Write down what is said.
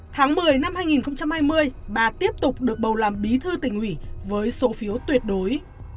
tháng một mươi năm hai nghìn hai mươi bà tiếp tục được bầu làm bí thư tỉnh ủy với số phiếu tuyệt đối